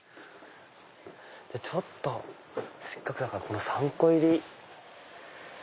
じゃあちょっとせっかくだから３個入り。